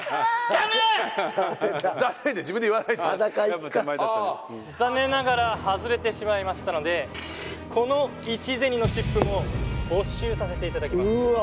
ダメって自分で言わないでください裸一貫残念ながら外れてしまいましたのでこの１ゼニーのチップも没収させていただきます・うわ